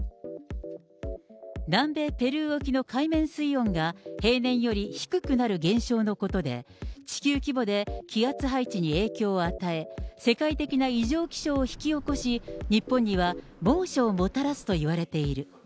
南米ペルー沖の海面水温が、平年より低くなる現象のことで、地球規模で気圧配置に影響を与え、世界的な異常気象を引き起こし、日本には猛暑をもたらすといわれている。